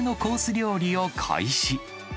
料理を開始。